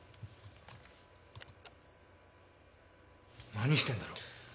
何してんだろう？